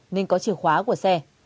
nên có chìa khóa của xe